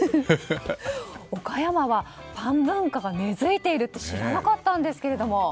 岡山はパン文化が根付いているって知らなかったんですけど。